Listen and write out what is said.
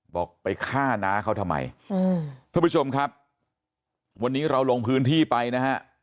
บอกไปฆ่าน้าเขาทำไมท่านผู้ชมครับวันนี้เราลงพื้นที่ไปนะฮะ